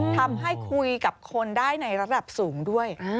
ทำให้คุยกับคนได้ในระดับสูงด้วย